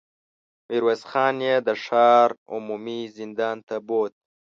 ميرويس خان يې د ښار عمومي زندان ته بوت.